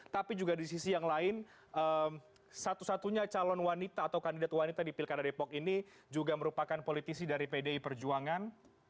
tapi juga di sisi yang lain satu satunya calon wanita atau kandidat wanita di pilkada depok ini juga merupakan politisi dari pdi perjuangan